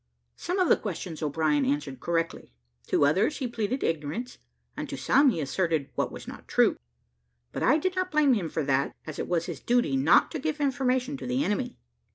Some of the questions O'Brien answered correctly; to others he pleaded ignorance; and to some he asserted what was not true. But I did not blame him for that, as it was his duty not to give information to the enemy.